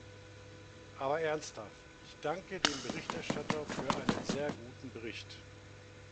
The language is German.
Aber ernsthaft, ich danke dem Berichterstatter für einen sehr guten Bericht.